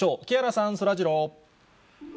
木原さん、そらジロー。